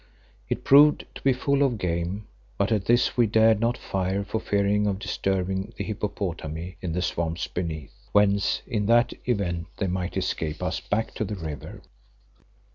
It proved to be full of game, but at this we dared not fire for fearing of disturbing the hippopotami in the swamps beneath, whence in that event they might escape us back to the river.